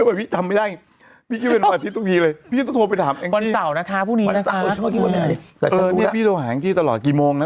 ไปได้รูปสวยเมื่อกี้ไปที่มุม